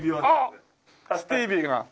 スティーヴィーが。